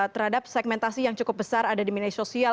terhadap segmentasi yang cukup besar ada di media sosial